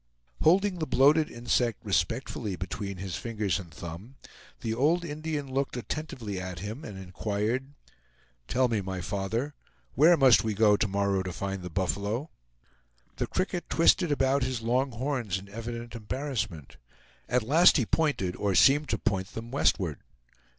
Holding the bloated insect respectfully between his fingers and thumb, the old Indian looked attentively at him and inquired, "Tell me, my father, where must we go to morrow to find the buffalo?" The cricket twisted about his long horns in evident embarrassment. At last he pointed, or seemed to point, them westward.